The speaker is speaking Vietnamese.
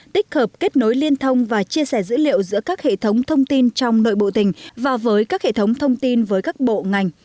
tích hợp kết nối liên thông và chia sẻ dữ liệu giữa các hệ thống thông tin trong nội bộ tỉnh và với các hệ thống thông tin với các bộ ngành